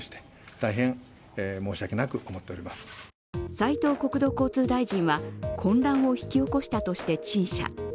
斉藤国土交通大臣は混乱を引き起こしたとして陳謝。